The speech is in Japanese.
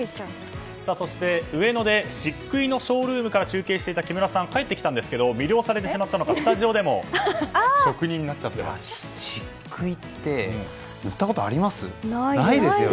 そして、上野で漆喰のショールームから中継していた木村さん帰ってきたんですけど魅了されてしまったのかスタジオでも漆喰って塗ったことあります？